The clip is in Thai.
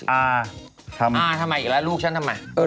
อ่าทำอ่าทำยังไงอีกแล้วลูกฉันทำยังไง